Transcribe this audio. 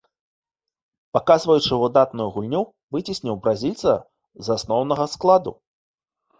Паказваючы выдатную гульню, выцесніў бразільца з асноўнага складу.